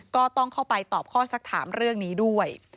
ก็ต้องเข้าไปตอบข้อสักถามเรื่องนี้ด้วย